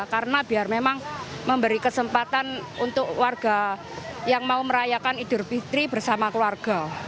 karena biar memang memberi kesempatan untuk warga yang mau merayakan idul fitri bersama keluarga